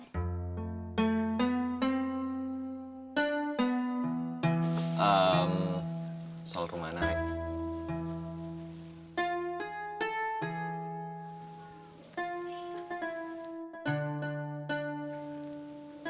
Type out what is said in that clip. ehm soal rumah anak